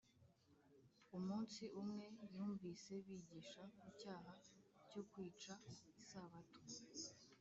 Umunsi umwe yumvise bigisha ku cyaha cyo kwica isabato